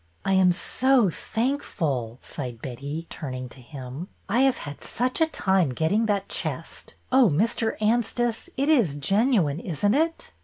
'' I am so thankful," sighed Betty, turning to him. " I have had such a time getting that chest ! Oh, Mr. Anstice, it is genuine, is n't it?"